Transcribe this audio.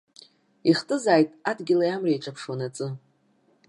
Ихтызааит, адгьыли амреи еиҿаԥшуанаҵы!